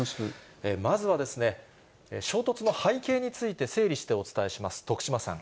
まずはですね、衝突の背景について整理してお伝えします。